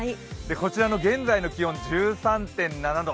こちらの現在の気温１３．７度。